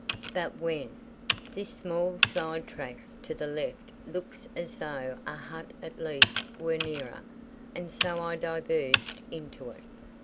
But when? This small side track to the left looks as though a hut at least were nearer, and so I diverged into it.